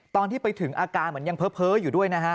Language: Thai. ตอนที่ไปถึงอาการเหมือนยังเพ้ออยู่ด้วยนะฮะ